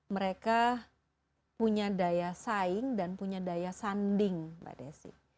mereka punya daya saing dan punya daya sanding mbak desi